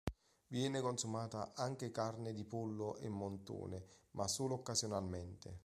Viene consumata anche carne di pollo e montone ma solo occasionalmente.